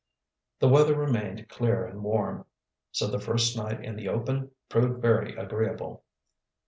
The weather remained clear and warm, so the first night in the open proved very agreeable.